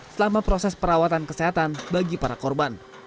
selama proses perawatan kesehatan bagi para korban